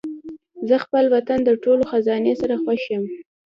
زه خپل وطن د ټولو خزانې سره خوښ یم.